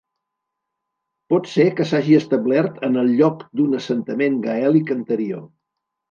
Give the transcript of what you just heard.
Pot ser que s'hagi establert en el lloc d'un assentament gaèlic anterior.